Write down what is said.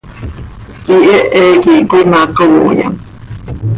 Quihehe quih cöimacooyam.